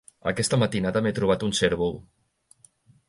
Aquesta matinada m'he trobat un cèrvol.